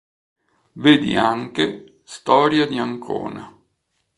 Vedi anche: "Storia di Ancona".